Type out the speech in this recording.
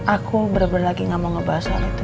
aku bener bener lagi enggak mau ngebahas soal itu